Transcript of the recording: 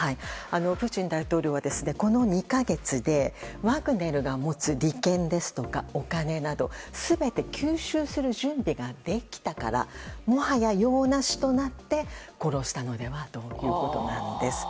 プーチン大統領はこの２か月でワグネルが持つ利権ですとか、お金など全て吸収する準備ができたからもはや用なしとなって殺したのではないかということなんです。